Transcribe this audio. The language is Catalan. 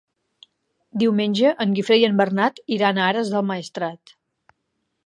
Diumenge en Guifré i en Bernat iran a Ares del Maestrat.